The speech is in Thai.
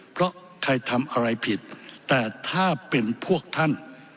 เพราะใครทำอะไรผิดแต่ถ้าเป็นพวกท่าน